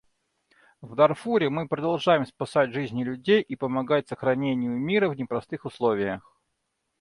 В Дарфуре мы продолжаем спасать жизни людей и помогать сохранению мира в непростых условиях.